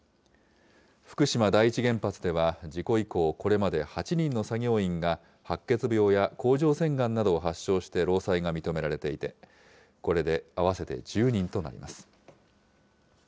福島第一原発では事故以降、これまで８人の作業員が、白血病や甲状腺がんなどを発症して労災が認められていて、これで合わせて１０人となります。